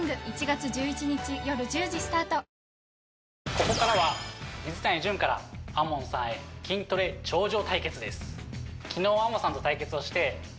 ここからは水谷隼からＡＭＯＮさんへ筋トレ頂上対決です